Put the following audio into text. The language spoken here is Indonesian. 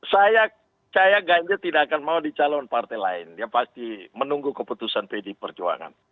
saya ganjar tidak akan mau dicalon partai lain yang pasti menunggu keputusan pdi perjuangan